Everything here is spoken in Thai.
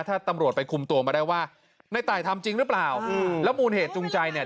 ถ้าตำรวจไปคุมตัวมาได้ว่าในตายทำจริงหรือเปล่าอืมแล้วมูลเหตุจูงใจเนี่ย